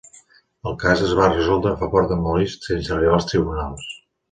El cas es va resoldre a favor de Molist sense arribar als tribunals.